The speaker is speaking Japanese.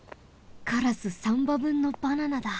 カラス３ばぶんのバナナだ。